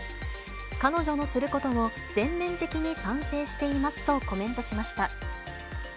彼女のすることを、全面的に賛成していますとコメントしました。